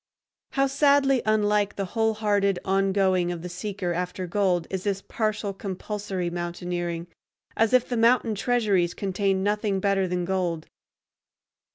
How sadly unlike the whole hearted ongoing of the seeker after gold is this partial, compulsory mountaineering!—as if the mountain treasuries contained nothing better than gold!